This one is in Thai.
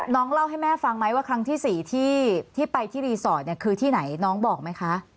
เล่าให้แม่ฟังไหมว่าครั้งที่๔ที่ไปที่รีสอร์ทเนี่ยคือที่ไหนน้องบอกไหมคะ